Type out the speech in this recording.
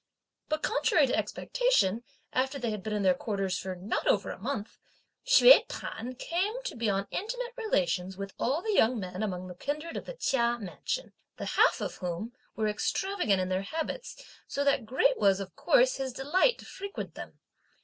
But, contrary to expectation, after they had been in their quarters for not over a month, Hsüeh P'an came to be on intimate relations with all the young men among the kindred of the Chia mansion, the half of whom were extravagant in their habits, so that great was, of course, his delight to frequent them.